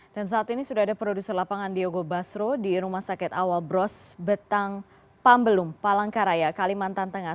dan saat ini sudah ada produser lapangan diego basro di rumah sakit awal bros betang pambelum palangkaraya kalimantan tengah